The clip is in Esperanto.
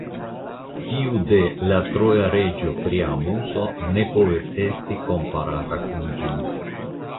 Tiu de la troja reĝo Priamuso ne povus esti komparata kun ĝi.